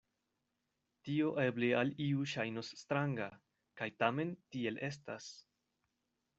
Tio eble al iu ŝajnos stranga, kaj tamen tiel estas.